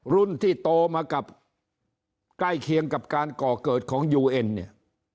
รุ่นที่โตมากับใกล้เคียงกับการก่อเกิดของยูเอ็นเนี่ย